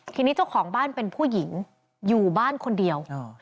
ทีนี้เจ้าของบ้านเป็นผู้หญิงอยู่บ้านคนเดียว